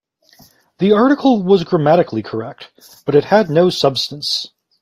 The article was grammatically correct, but it had no substance.